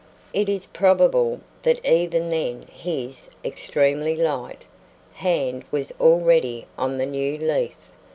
It is probable that even then his (extremely light) hand was already on the "new leaf."